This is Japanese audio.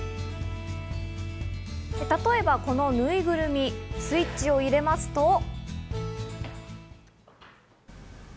例えば、このぬいぐるみ、スイッチを入れますと。